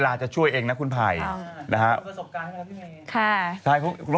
มีประสบการณ์นะพี่เม